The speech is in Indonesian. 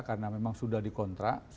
karena memang sudah dikontrak